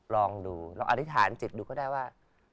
ลองดูลองอธิษฐานจิตดูก็ได้ว่า